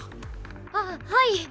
ああっはい。